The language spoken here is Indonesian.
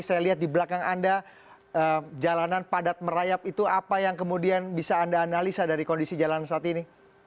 saya lihat di belakang anda jalanan padat merayap itu apa yang kemudian bisa anda analisa dari kondisi jalan saat ini